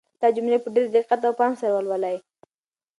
دا جملې په ډېر دقت او پام سره ولولئ.